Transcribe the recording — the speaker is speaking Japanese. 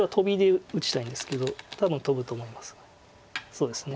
そうですね。